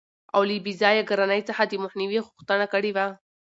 او له بې ځایه ګرانۍ څخه دمخنیوي غوښتنه کړې وه.